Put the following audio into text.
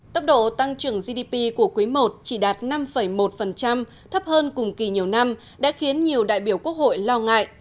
tốc độ tăng trưởng gdp của quý i chỉ đạt năm một thấp hơn cùng kỳ nhiều năm đã khiến nhiều đại biểu quốc hội lo ngại